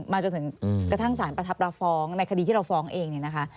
มาจนถึงกระทั่งสารประทับละฟ้องในคดีที่เราฟ้องเอง